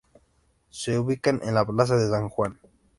Está ubicado en la Plaza de San Juan.